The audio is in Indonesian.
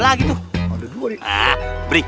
lagi hal berikut